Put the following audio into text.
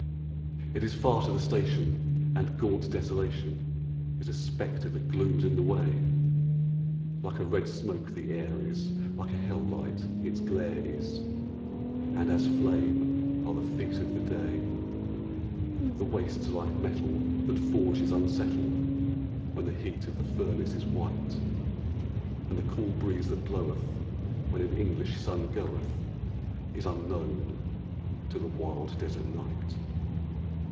It is far to the station, and gaunt Desolation Is a spectre that glooms in the way; Like a red smoke the air is, like a hell light its glare is, And as flame are the feet of the day. The wastes are like metal that forges unsettle When the heat of the furnace is white; And the cool breeze that bloweth when an English sun goeth, Is unknown to the wild desert night.